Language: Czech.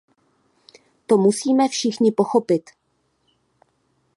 To musíme všichni pochopit.